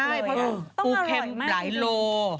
ใช่เพราะปูเข็มหลายโล